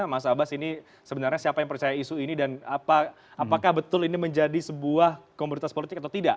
mas abbas ini sebenarnya siapa yang percaya isu ini dan apakah betul ini menjadi sebuah komoditas politik atau tidak